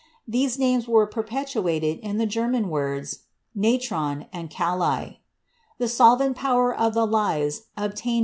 These names have perpetuated in the German words 'natron' and 'kali.' " The solvent power of the lyes obtained from Fig.